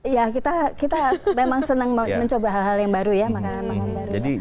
iya kita memang senang mencoba hal hal yang baru ya